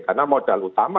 karena modal utamanya